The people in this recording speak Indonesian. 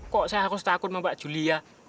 kok saya harus takut sama pak julia